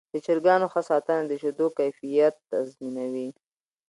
د چرګانو ښه ساتنه د شیدو کیفیت تضمینوي.